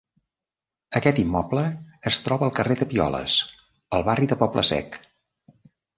Aquest immoble es troba al carrer Tapioles, al barri de Poble Sec.